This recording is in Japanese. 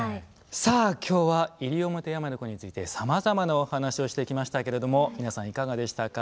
さあ今日はイリオモテヤマネコについてさまざまなお話をしてきましたけれども皆さんいかがでしたか？